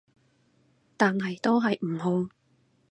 但係都係唔好